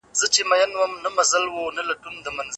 یو ځل دي قبلې ته در بللی وای